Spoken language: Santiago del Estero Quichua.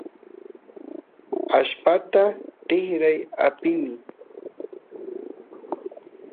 allpata tikray apini